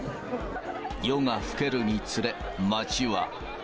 夜が更けるにつれ、街は。